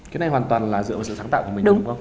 cái này hoàn toàn là dựa vào sự sáng tạo của mình đông không